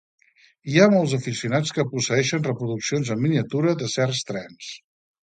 Hi ha molts aficionats que posseeixen reproduccions en miniatura de certs trens.